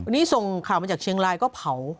นี่ส่งข่าวมาจากเชียงรายก็เผา